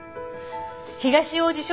東王子署